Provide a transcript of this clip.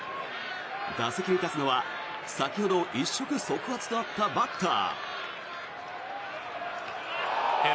打席に立つのは、先ほど一触即発となったバッター。